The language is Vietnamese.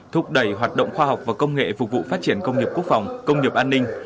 thúc đẩy hoạt động khoa học và công nghệ phục vụ phát triển công nghiệp quốc phòng công nghiệp an ninh